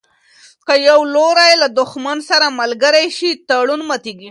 که یو لوری له دښمن سره ملګری شي تړون ماتیږي.